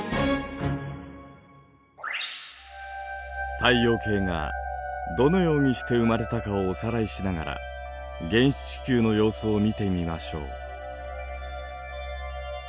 太陽系がどのようにして生まれたかをおさらいしながら原始地球の様子を見てみましょう。